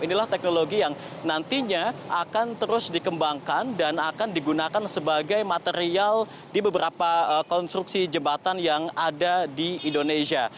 inilah teknologi yang nantinya akan terus dikembangkan dan akan digunakan sebagai material di beberapa konstruksi jembatan yang ada di indonesia